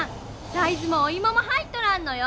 大豆もオイモも入っとらんのよ。